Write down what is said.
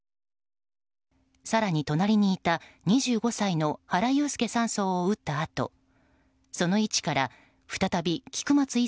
更に、隣にいた２５歳の原悠介３曹を撃ったあとその位置から再び菊松１